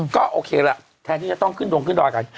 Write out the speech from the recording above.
ก็โอเคแหละแทนที่จะต้องขึ้นดอยกัน